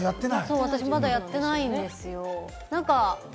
まだやってないんですよ。